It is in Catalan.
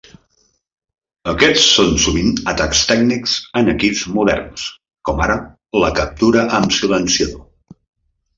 Aquests són sovint atacs tècnics en equips moderns, com ara la "captura amb silenciador".